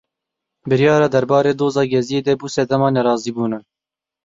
Biryara derbarê Doza Geziyê de bû sedema nerazîbûnan.